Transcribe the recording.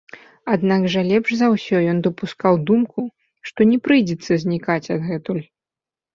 Аднак жа лепш за ўсё ён дапускаў думку, што не прыйдзецца знікаць адгэтуль.